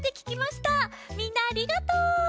みんなありがとう！